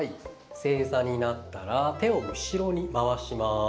正座になったら手を後ろに回します。